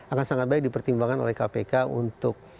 akan sangat baik dipertimbangkan oleh kpk untuk